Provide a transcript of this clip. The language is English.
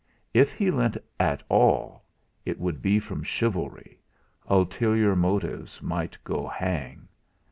If he lent at all, it should be from chivalry ulterior motives might go hang!